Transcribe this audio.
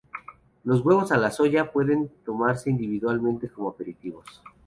Los huevos a la soja pueden tomarse individualmente como aperitivos.